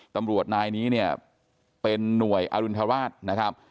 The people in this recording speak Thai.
ตำรวจนายนี้เนี่ยเป็นหน่วยอรุณฑราชนะครับ